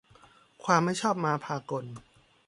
ความไม่ชอบมาพากล